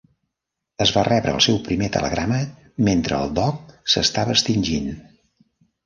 Es va rebre el seu primer telegrama mentre el doc s'estava extingint.